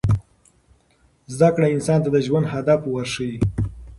زده کړه انسان ته د ژوند هدف ورښيي.